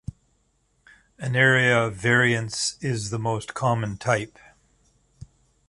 An area variance is the most common type.